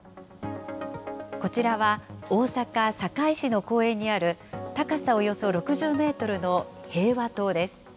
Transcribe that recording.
こちらは、大阪・堺市の公園にある、高さおよそ６０メートルの平和塔です。